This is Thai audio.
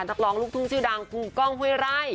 นักร้องลูกที่ชื่อดังกูก้องเฮร่าย